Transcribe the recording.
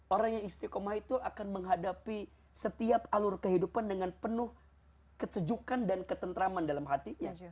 orang yang istiqomah itu akan menghadapi setiap alur kehidupan dengan penuh kesejukan dan ketentraman dalam hatinya